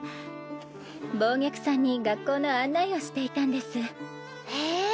暴虐さんに学校の案内をしていたんですへえ